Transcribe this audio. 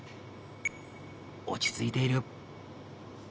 落ち着いている。